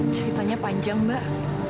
ceritanya panjang mbak